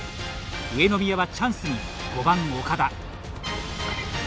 上宮はチャンスに５番岡田。